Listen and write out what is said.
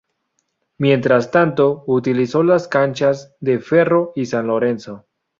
Mientras tanto, utilizó las canchas de Ferro y San Lorenzo.